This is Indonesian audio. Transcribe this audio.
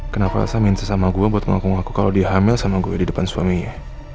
kenapa elsa minta sama gue buat ngaku ngaku kalo dia hamil sama gue di depan suaminya